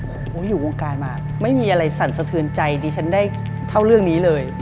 โอ้โหอยู่วงการมาไม่มีอะไรสั่นสะเทือนใจดิฉันได้เท่าเรื่องนี้เลย